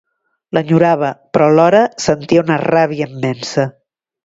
L'enyorava però alhora sentia una ràbia immensa.